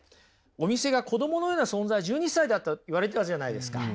お店が子どものような存在１２歳だと言われたじゃないですか。